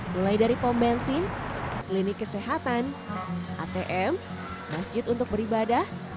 mulai dari pom bensin klinik kesehatan atm masjid untuk beribadah